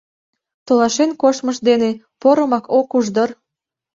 Толашен коштмыж дене порымак ок уж дыр...